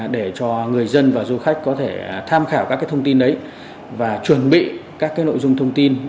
để cho người dân và du khách có thể tham khảo các thông tin đấy và chuẩn bị các nội dung thông tin